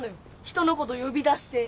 ひとのこと呼び出して。